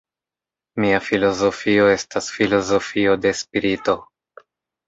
Mia filozofio estas filozofio de spirito.